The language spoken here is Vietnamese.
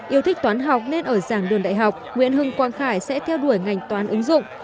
yêu thích toán học nên ở giảng đường đại học nguyễn hưng quang khải sẽ theo đuổi ngành toán ứng dụng